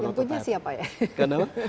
yang punya siapa ya